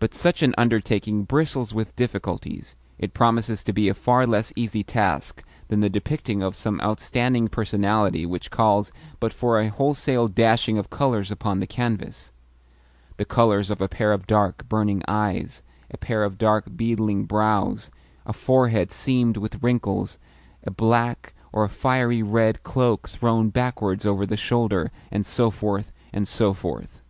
But such an undertaking bristles with difficulties it promises to be a far less easy task than the depicting of some outstanding personality which calls but for a wholesale dashing of colours upon the canvas the colours of a pair of dark, burning eyes, a pair of dark, beetling brows, a forehead seamed with wrinkles, a black, or a fiery red, cloak thrown backwards over the shoulder, and so forth, and so forth.